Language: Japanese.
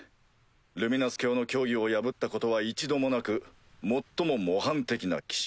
ルミナス教の教義を破ったことは一度もなく最も模範的な騎士。